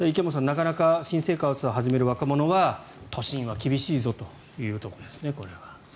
なかなか新生活を始める若者は都心は厳しいぞというところですね。